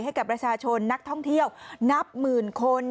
ให้กับประชาชนนักท่องเที่ยวนับหมื่นคน